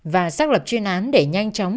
và xác lập chuyên án để nhanh chóng